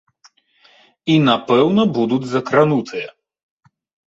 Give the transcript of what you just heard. І напэўна будуць закранутыя.